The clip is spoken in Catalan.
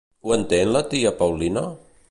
Ho entén la tia Paulina?